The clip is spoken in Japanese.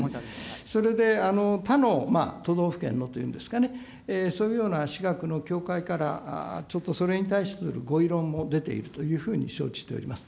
それで他の都道府県のというんですかね、そういうような私学の協会から、ちょっとそれに対するご異論も出ているというふうに承知しております。